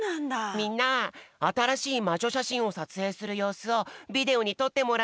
みんなあたらしいまじょしゃしんをさつえいするようすをビデオにとってもらったからみてみよう！